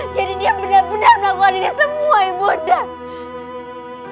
jadi dia benar benar melakukan ini semua ibu nek